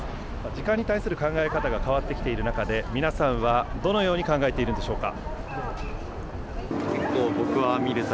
時間に対する考え方が変わってきている中で、皆さんはどのように考えているんでしょうか。